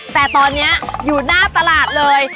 แต่ตอนนี้อยู่หน้าตลาดเลย